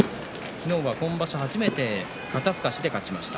昨日は今場所、初めて肩すかしで勝ちました。